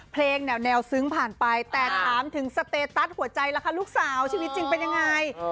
เพลงแนวซึ้งผ่านไปแต่ถามถึงสเตตัสหัวใจล่ะคะลูกสาวชีวิตจริงเป็นยังไง